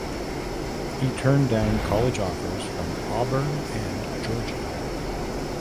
He turned down college offers from Auburn and Georgia.